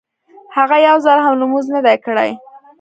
هغه يو ځل هم لمونځ نه دی کړی.